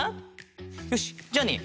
よしじゃあね